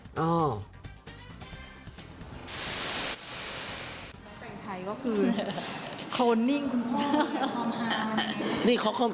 น้องแต่งไทยก็คือคนนิ่งคุณพ่อ